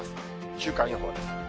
週間予報です。